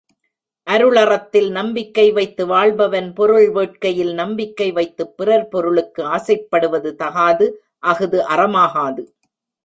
அருளறத்தில் நம்பிக்கை வைத்து வாழ்பவன் பொருள் வேட்கையில் நம்பிக்கை வைத்துப் பிறர் பொருளுக்கு ஆசைப்படுவது தகாது அஃது அறமாகாது.